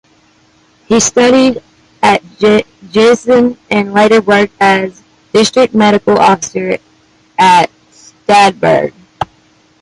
He studied at Giessen and later worked as district medical officer at Stadtberge.